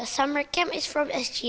summer camp adalah dari sgs